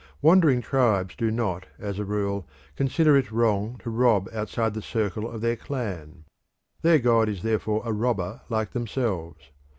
Wandering tribes do not as a rule consider it wrong to rob outside the circle of their clan: their god is therefore a robber like themselves.